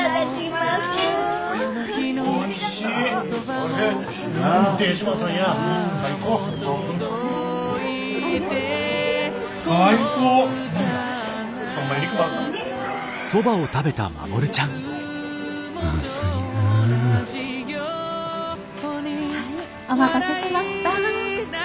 はいお待たせしました。